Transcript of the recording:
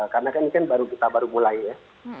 karena kan kita baru mulai ya